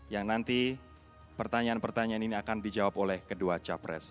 yang nanti pertanyaan pertanyaan ini akan dijawab oleh kedua capres